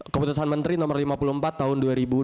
keputusan menteri no lima puluh empat tahun dua ribu dua puluh